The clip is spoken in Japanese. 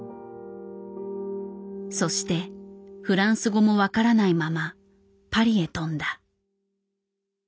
そしてフランス語も分からないままパリへ飛んだ。